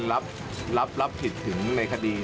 เส้นรับรับผิดถึงในคดีนี้ครับ